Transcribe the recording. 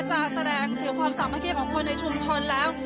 แสดงถึงความสามัคคีของคนในชุมชนแล้ว